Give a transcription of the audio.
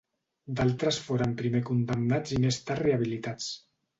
D'altres foren primer condemnats i més tard rehabilitats.